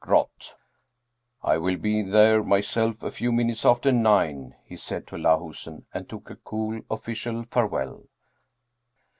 GROTH." " I will be there myself a few minutes after nine," he said to Lahusen, and took a cool official farewell.